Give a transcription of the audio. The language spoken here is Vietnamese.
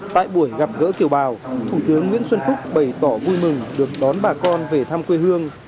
tại buổi gặp gỡ kiều bào thủ tướng nguyễn xuân phúc bày tỏ vui mừng được đón bà con về thăm quê hương